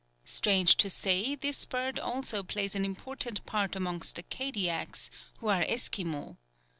Strange to say, this bird also plays an important part amongst the Kadiaks, who are Esquimaux.